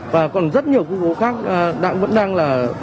và còn rất nhiều khu phố khác vẫn đang là